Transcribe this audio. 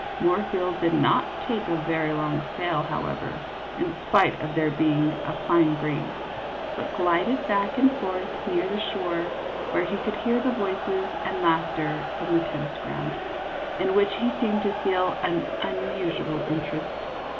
Moorfield did not take a very long sail, however, in spite of there being 48 CLYDE MOOPFIELD, YACHTSMAN. a fine breeze, but glided back and forth near the shore, where he could hear the voices and laughter from the tennis ground, in which he seemed to feel an unusual interest.